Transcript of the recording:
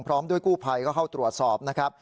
พร้อมด้วยกู้ภัยก็เข้าตรวจสอบนะครับ